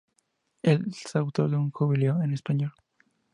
Es autor de "Un jubileo en español.